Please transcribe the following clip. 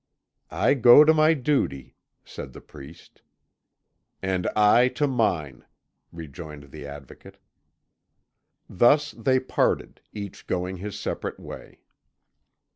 "I go to my duty," said the priest. "And I to mine," rejoined the Advocate. Thus they parted, each going his separate way.